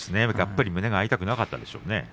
がっぷり胸が合いたくなかったでしょうね。